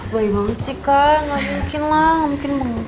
bayi banget sih kak gak mungkin lah gak mungkin bengkak